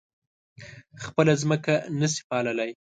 خپله ځمکه نه شي پاللی.